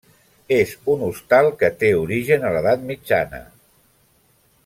És un hostal que té origen a l'Edat Mitjana.